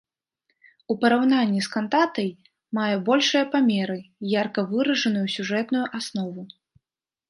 У параўнанні з кантатай мае большыя памеры, ярка выражаную сюжэтную аснову.